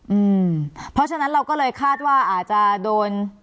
เพราะฉะนั้นเราก็เลยคาดว่าอาจจะโดน